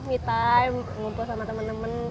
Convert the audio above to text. me time ngumpul sama temen temen